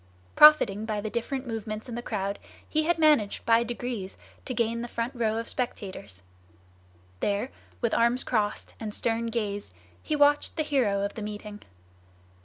Profiting by the different movements in the crowd, he had managed by degrees to gain the front row of spectators. There, with arms crossed and stern gaze, he watched the hero of the meeting.